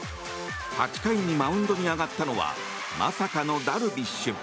８回にマウンドに上がったのはまさかのダルビッシュ。